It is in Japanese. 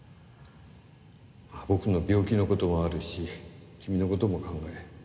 僕の病気の事もあるし君の事も考え